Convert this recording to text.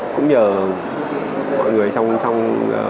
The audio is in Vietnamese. cũng nhờ mọi người trong